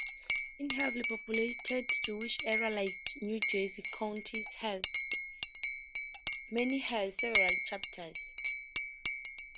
In heavily populated Jewish areas like New Jersey, counties may have several chapters.